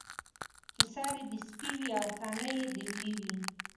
چې سر یې د سپي وي او تنه یې د وري وي.